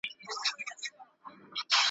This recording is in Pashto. ته پوهیږې د ابا سیوری دي څه سو؟ !.